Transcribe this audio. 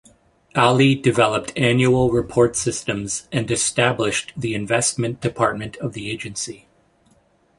Ali developed annual report systems and established the investment department of the agency.